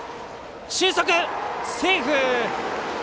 俊足、セーフ！